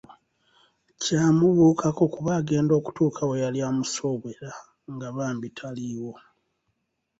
Ky’amubuukako kuba agenda okutuuka we yali amusuubira nga bambi taliiwo.